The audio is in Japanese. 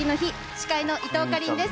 司会の伊藤かりんです。